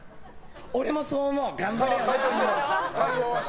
俺もそう思う！